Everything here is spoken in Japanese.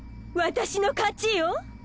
私の勝ちよ